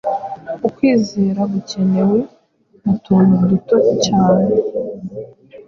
Ukwizera gukenewe mu tuntu duto cyane